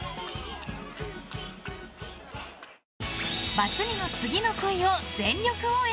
バツ２の次の恋を全力応援！